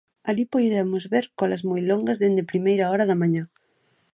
Alí puidemos ver colas moi longas desde primeira hora da mañá.